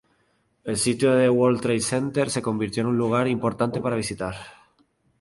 El sitio del World Trade Center se convirtió en un lugar importante para visitar.